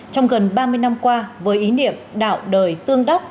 trong gần ba mươi năm qua với ý niệm đạo đời tương đắc